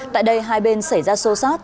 tại đây hai bên xảy ra sâu sát